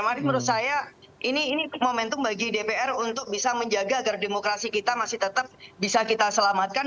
mari menurut saya ini momentum bagi dpr untuk bisa menjaga agar demokrasi kita masih tetap bisa kita selamatkan